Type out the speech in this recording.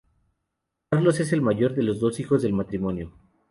Carlos es el mayor de los dos hijos del matrimonio.